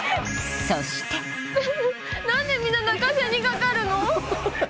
そして何でみんな泣かせにかかるの？